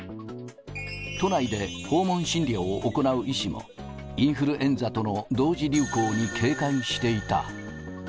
都内で訪問診療を行う医師も、インフルエンザとの同時流行に警戒していた。